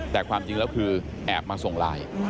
แต่ความจริงแล้วคือแอบมาส่งไลน์